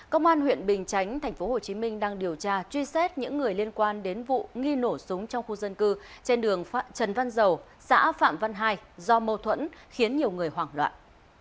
công an huyện bình chánh tp hcm đang điều tra truy xét những người liên quan đến vụ nghi nổ súng trong khu dân cư trên đường trần văn dầu xã phạm văn hai do mâu thuẫn khiến nhiều người hoảng loạn